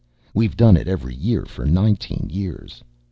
We've done it every year for nineteen years.